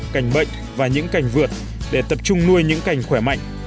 cảnh bệnh và những cành vượt để tập trung nuôi những cành khỏe mạnh